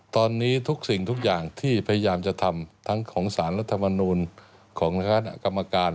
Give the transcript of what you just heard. ตอนนี้ทุกสิ่งทุกอย่างที่พยายามจะทำทั้งของสารรัฐมนูลของคณะกรรมการ